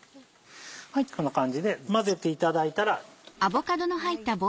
こんな感じで混ぜていただいたら。